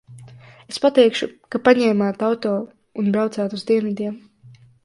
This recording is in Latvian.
Es pateikšu, ka paņēmāt auto un braucat uz dienvidiem.